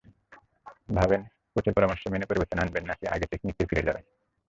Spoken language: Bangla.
ভাবেন, কোচের পরামর্শ মেনে পরিবর্তন আনবেন, নাকি আগের টেকনিকেই ফিরে যাবেন।